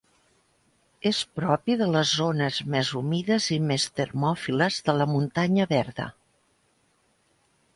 És propi de les zones més humides i més termòfiles de la muntanya verda.